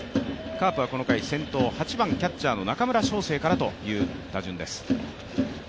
カープはこの回先頭８番キャッチャーの中村奨成からという打順です。